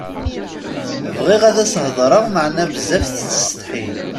Bɣiɣ ad s-heḍṛeɣ meɛna bezzaf tettsetḥi.